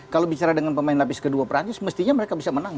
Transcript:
kalau bicara dengan pemain lapis kedua perancis mestinya mereka bisa menang